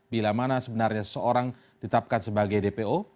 bila mana sebenarnya seorang ditetapkan sebagai dpo